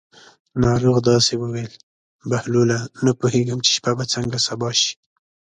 ناروغ داسې وویل: بهلوله نه پوهېږم چې شپه به څنګه سبا شي.